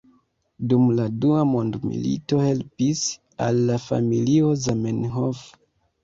Dum la dua mondmilito helpis al la familio Zamenhof.